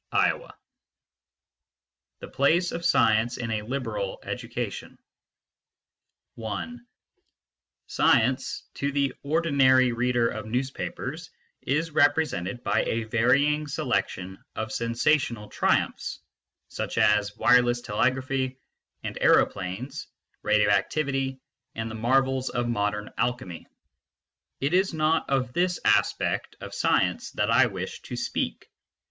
II THE PLACE OF SCIENCE IN A LIBERAL EDUCATION SCIENCE, to the ordinary reader of newspapers, is represented by a varying selection of sensational triumphs, such as wireless telegraphy and aeroplanes radio activity and the marvels of modern alchemy. It is not of this aspect of science that I wish to speak.